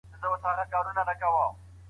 تاسو به د ژوند په هره ستونزه کي تجربه اخلئ.